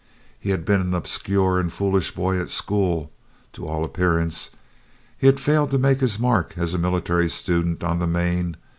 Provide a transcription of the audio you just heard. He had been an obscure and "foolish" boy at school (to all appearance). He had failed to make his mark as a military student on the Maine.